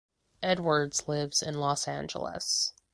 Edwards lives in Los Angeles.